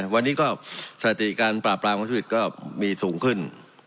วันนี้ก็สถิติการปราบปรามของทุจริตก็มีสูงขึ้น